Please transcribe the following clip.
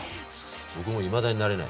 僕もいまだに慣れない。